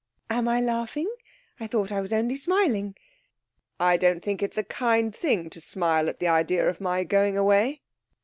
'Am I laughing? I thought I was only smiling.' 'I don't think it's a kind thing to smile at the idea of my going away.